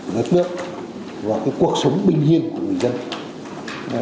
của đất nước và cuộc sống bình yên của người dân